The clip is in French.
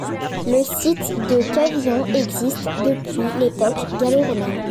Le site de Cavillon existe depuis l'époque gallo-romaine.